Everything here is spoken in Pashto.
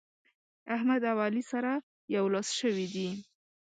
احمد او علي سره يو لاس شوي دي.